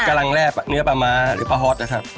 กำลังแร่เนื้อปลาม้าหรือเปล่าฮ๊อตอะท่ะ